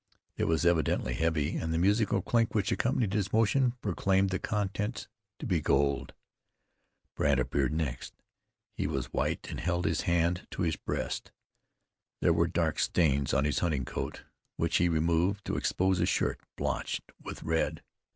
It was evidently heavy, and the musical clink which accompanied his motion proclaimed the contents to be gold. Brandt appeared next; he was white and held his hand to his breast. There were dark stains on his hunting coat, which he removed to expose a shirt blotched with red.